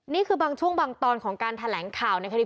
นี่คือบางช่วงบางตอนของการแถลงข่าวในคดี